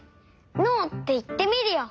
「ＮＯ」っていってみるよ。